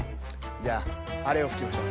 じゃああれをふきましょう。